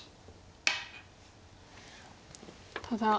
ただ。